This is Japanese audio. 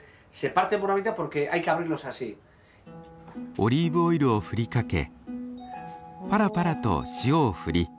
オリーブオイルを振りかけぱらぱらと塩を振り